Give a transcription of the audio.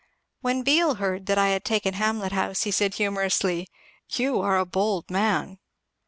When Beal heard that I had taken Hamlet House he said humorously, " You are a bold man."